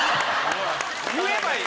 言えばいい。